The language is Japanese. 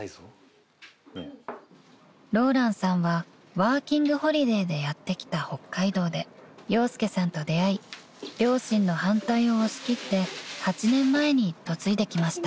［若嵐さんはワーキングホリデーでやって来た北海道で陽介さんと出会い両親の反対を押し切って８年前に嫁いできました］